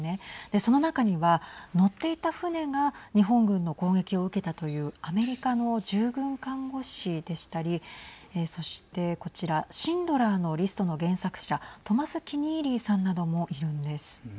その中には乗っていた船が日本軍の攻撃を受けたというアメリカの従軍看護師でしたりそしてこちらシンドラーのリストの原作者トマス・キニーリーさんなどもいるんです。